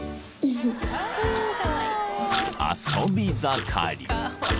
［遊び盛り］